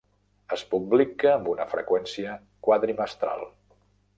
Es publica amb una freqüència quadrimestral.